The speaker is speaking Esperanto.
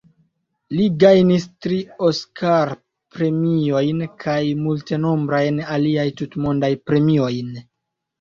Li gajnis tri Oskar-premiojn kaj multenombrajn aliaj tutmondaj premiojn.